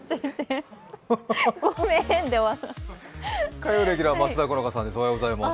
火曜レギュラーは松田好花さんです。